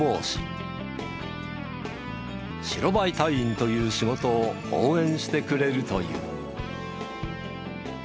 白バイ隊員という仕事を応援してくれるという。